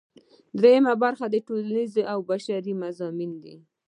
دریمه برخه ټولنیز او بشري مضامین دي.